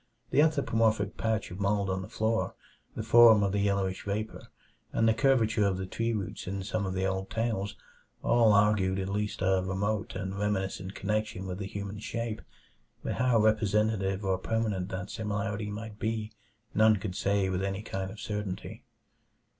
The anthropomorphic patch of mold on the floor, the form of the yellowish vapor, and the curvature of the tree roots in some of the old tales, all argued at least a remote and reminiscent connection with the human shape; but how representative or permanent that similarity might be, none could say with any kind of certainty.